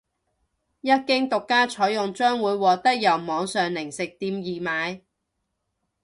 一經獨家採用將會獲得由網上零食店易買